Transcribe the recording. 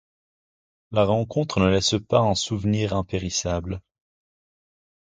La rencontre ne laisse pas un souvenir impérissable.